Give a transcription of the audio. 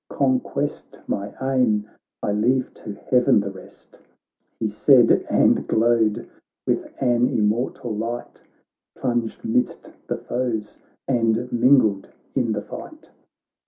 Conquest my aim, I leave to heaven the rest.' He said, and glowed with an immortal light, Plunged 'midst the foes, and mingled in the fight.